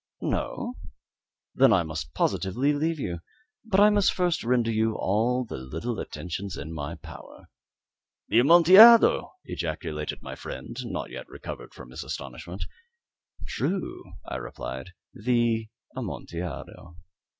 No? Then I must positively leave you. But I must first render you all the little attentions in my power." "The Amontillado!" ejaculated my friend, not yet recovered from his astonishment. "True," I replied; "the Amontillado."